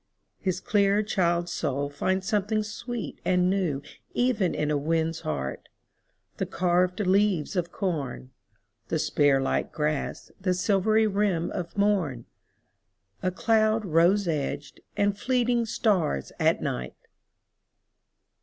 His clear child's soul finds something sweet and newEven in a weed's heart, the carved leaves of corn, The spear like grass, the silvery rim of morn,A cloud rose edged, and fleeting stars at night!